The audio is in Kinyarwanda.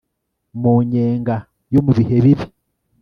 Mu nyenga yo mu bihe bibi